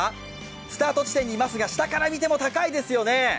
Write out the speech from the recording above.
スタート地点にいますが下から見ても高いですよね。